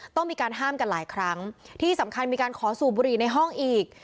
ต้องมีการห้ามกันหลายครั้งที่สำคัญมีการขอสูบบุหรี่ในห้องอีก